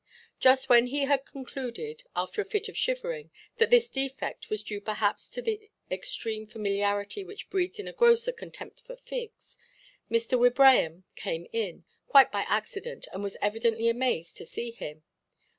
Just when he had concluded, after a fit of shivering, that this defect was due perhaps to that extreme familiarity which breeds in a grocer contempt for figs, Mr. Wibraham came in, quite by accident, and was evidently amazed to see him.